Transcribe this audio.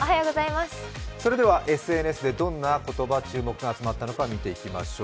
それではＳＮＳでどんな言葉に注目が集まったのか見ていきましょう。